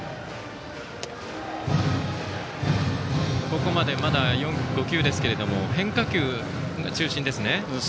ここまで、まだ５球ですけども変化球中心ですね。